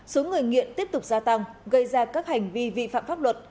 số người nghiện tiếp tục gia tăng gây ra các hành vi vi phạm pháp luật